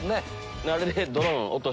あれで。